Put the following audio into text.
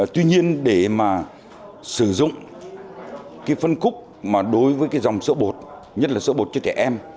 tuy nhiên để mà sử dụng cái phân khúc mà đối với cái dòng sữa bột nhất là sữa bột cho trẻ em